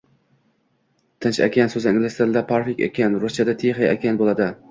Tinch okean soʻzi ingliz tilida Pacific Ocean, ruschada Tixiy okean boʻladi